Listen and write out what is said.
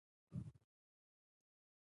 د انګور شیره د څه لپاره وکاروم؟